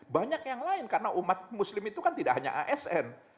banyak yang lain karena umat muslim itu kan tidak hanya asn